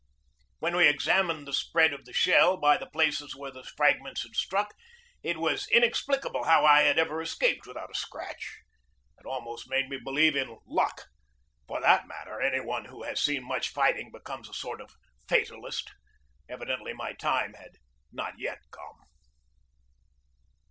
When we examined the spread of the shell by the places where the fragments had struck, it was inex plicable how I had ever escaped without a scratch. It almost made me believe in luck. For that matter, any one who has seen much fighting becomes a sort of fatalist. Evidently my time had not yet come.